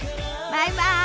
バイバイ。